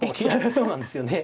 そうなんですよね。